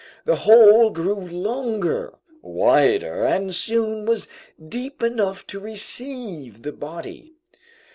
The hole grew longer, wider, and soon was deep enough to receive the body.